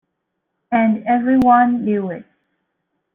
And everyone knew it.